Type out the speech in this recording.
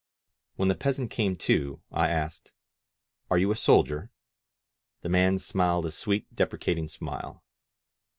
••• When the peasant came to, I asked: "Are you a soldier?" The man smiled a sweet, deprecating smile.